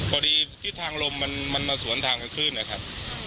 พอดีทิศทางลมมันมาสวนทางกับขึ้นนะครับ